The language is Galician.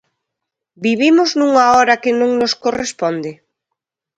Vivimos nunha hora que non nos corresponde?